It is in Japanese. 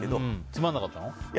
つまらなかったの？